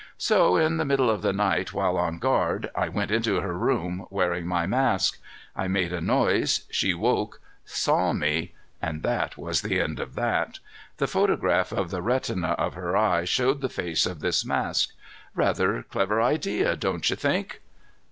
So, in the middle of the night, while on guard, I went into her room, wearing my mask. I made a noise, she woke, saw me and that was the end of that. The photograph of the retina of her eye showed the face of this mask. Rather clever idea, don't you think?"